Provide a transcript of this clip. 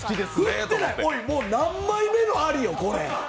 俺、もう何枚目のアリよ、これ。